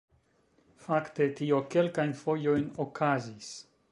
Fakte tio kelkajn fojojn okazis